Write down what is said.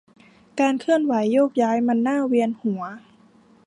การเคลื่อนไหวโยกย้ายมันน่าเวียนหัว